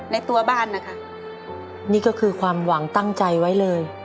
ในตัวบ้านนะคะนี่ก็คือความหวังตั้งใจไว้เลย